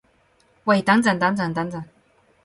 喂等陣等陣等陣